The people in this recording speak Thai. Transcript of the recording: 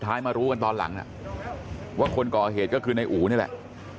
มารู้กันตอนหลังว่าคนก่อเหตุก็คือในอู๋นี่แหละ